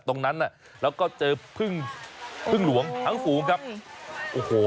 ตรงนั้นน่ะแล้วก็เจอพึ่งพึ่งหลวงทั้งฝูงครับโอ้โห